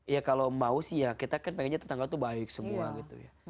ya kalau mau sih ya kita kan pengennya tetangga itu baik semua gitu ya